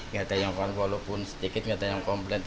nggak ada yang konvolopun sedikit nggak ada yang komplain